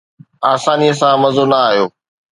آسانيءَ سان مزو نه آيو